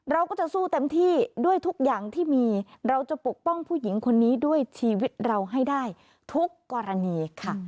เราก็จะสู้เต็มที่ด้วยทุกอย่างที่มีเราจะปกป้องผู้หญิงคนนี้ด้วยชีวิตเราให้ได้ทุกกรณีค่ะ